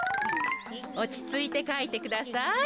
おちついてかいてください。